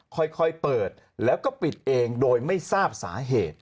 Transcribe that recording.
ค่อยเปิดแล้วก็ปิดเองโดยไม่ทราบสาเหตุ